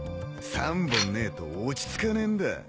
３本ねえと落ちつかねえんだ。